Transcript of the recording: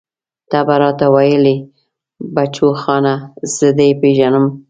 ته به راته ويلې بچوخانه زه دې پېژنم.